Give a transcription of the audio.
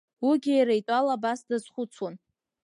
Уигьы иара итәала абас дазхәыцуан.